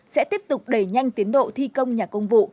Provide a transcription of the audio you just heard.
sẽ tiếp tục đẩy nhanh tiến độ thi công nhà công vụ